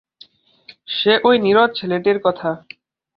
সে ঐ নীরদ ছেলেটির কথা।